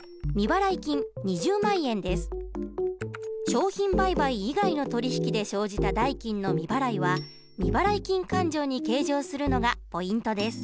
商品売買以外の取引で生じた代金の未払いは未払金勘定に計上するのがポイントです。